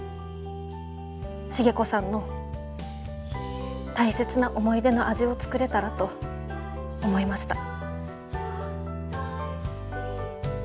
重子さんの大切な思い出の味を作れたらと思いました。